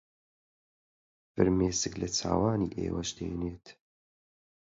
فرمێسک لە چاوانی ئێوەش دێنێت